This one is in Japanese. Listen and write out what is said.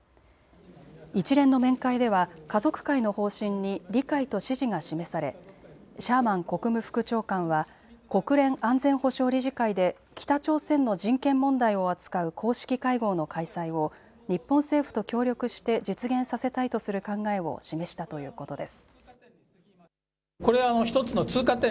一連の面会では家族会の方針に理解と支持が示されシャーマン国務副長官は国連安全保障理事会で北朝鮮の人権問題を扱う公式会合の開催を日本政府と協力して実現させたいとする考えを示したということです。